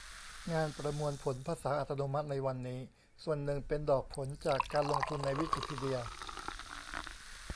งานประมวลผลภาษาอัตโนมัติในวันนี้ ส่วนหนึ่งเป็นดอกผลจากการลงทุนในวิกิพีเดีย